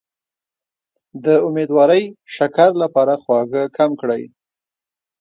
د امیدوارۍ د شکر لپاره خواږه کم کړئ